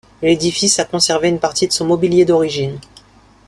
L'édifice a conservé une partie de son mobilier d'origine.